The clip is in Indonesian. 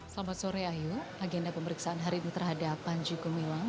selamat sore ayu agenda pemeriksaan hari ini terhadap panji gumilang